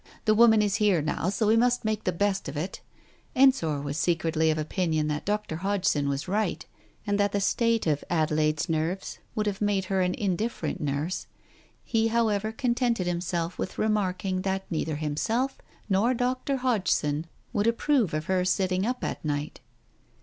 The woman is here now so we must make the best of it." Ensor was secretly of opinion that Dr. Hodgson was right, and that the state of Adelaide's nerves would have made her an indifferent nurse; he, however, contented himself with remarking that neither himself nor Dr. Hodgson would approve of her sitting up at night.